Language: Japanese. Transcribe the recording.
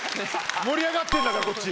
盛り上がってんだからこっち。